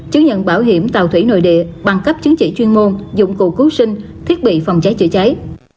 chứng nhận bảo hiểm tàu thủy nội địa bằng cấp chứng chỉ chuyên môn dụng cụ cứu sinh thiết bị phòng cháy chữa cháy